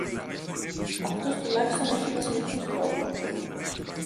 Αυτός τουλάχιστον έχει βασιλικούς τρόπους!